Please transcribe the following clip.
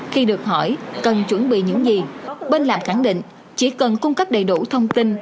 khi được hỏi cần chuẩn bị những gì bên làm khẳng định chỉ cần cung cấp đầy đủ thông tin